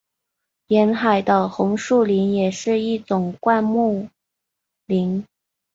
沿海的红树林也是一种灌木林。